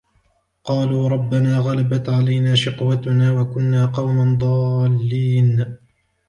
قَالُوا رَبَّنَا غَلَبَتْ عَلَيْنَا شِقْوَتُنَا وَكُنَّا قَوْمًا ضَالِّينَ